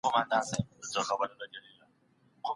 املا د ژبي په هره برخه کي ګټوره ده.